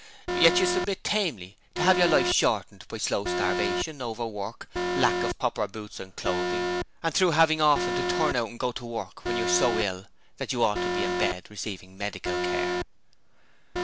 Yet you submit tamely to have your life shortened by slow starvation, overwork, lack of proper boots and clothing, and though having often to turn out and go to work when you are so ill that you ought to be in bed receiving medical care.'